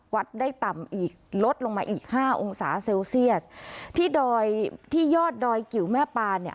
วัดได้ต่ำอีกลดลงมาอีกห้าองศาเซลเซียสที่ดอยที่ยอดดอยกิ๋วแม่ปานเนี่ย